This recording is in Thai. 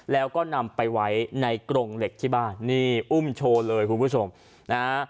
แล้วก็นำไปไว้ในกรงเหล็กที่บ้านนี่อุ้มโชว์เลยคุณผู้ชมนะฮะ